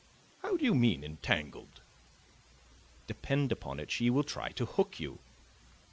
"How do you mean entangled?" "Depend upon it she will try to hook you."